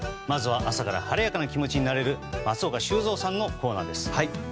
まずは朝から晴れやかな気持ちになれる松岡修造さんのコーナーです。